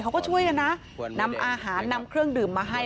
เขาก็ช่วยกันนะนำอาหารนำเครื่องดื่มมาให้